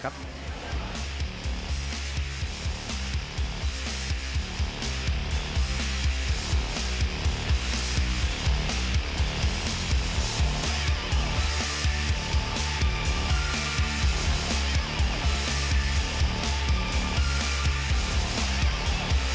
สวัสดีครับ